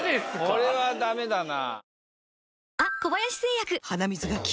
これはダメだな。